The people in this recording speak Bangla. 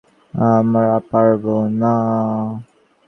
আমরা পারব না!